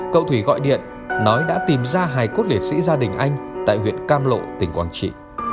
cậu thủy gọi điện nói đã tìm ra hải cốt lễ sĩ gia đình anh tại huyện cam lộ tỉnh quảng trị